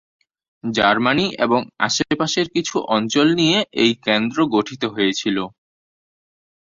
Germany এবং আশপাশের কিছু অঞ্চল নিয়ে এই কেন্দ্র গঠিত হয়েছিল।